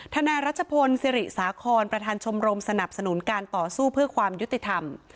นายรัชพลศิริสาคอนประธานชมรมสนับสนุนการต่อสู้เพื่อความยุติธรรม